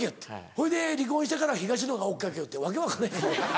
ほいで離婚してから東野が追っ掛けよって訳分からへん。